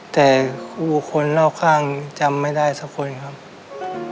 แต่คนเล่าข้างจำไม่ได้สักคนครับ